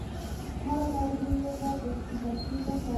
هره موضوع یې غیر تخصصي نه ده شاربلې.